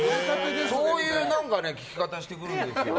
そういう聞き方してくるんですよ。